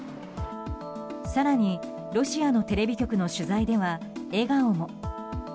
更に、ロシアのテレビ局の取材では笑顔も。